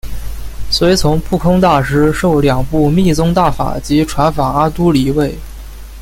随从不空大师受两部密宗大法及传法阿阇黎位。